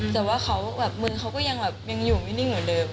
แต่ว่าเขาแบบมือเขาก็ยังแบบยังอยู่ไม่นิ่งเหมือนเดิม